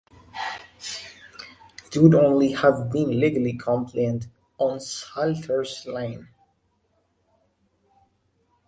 It would only have been legally compliant on Salter's Lane.